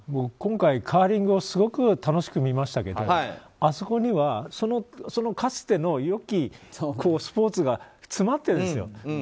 今回、カーリングをすごく楽しく見ましたけどあそこはかつての良きスポーツが詰まっているんですよ。